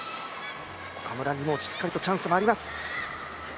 岡村にもしっかりとチャンスはあります。